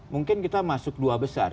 mungkin kita masuk dua besar